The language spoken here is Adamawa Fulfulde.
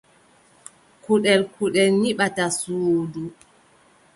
Kuɗel kuɗel nyiɓata suudu.